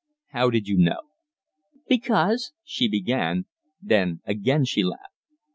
"How did you know?" "Because " she began; then again she laughed.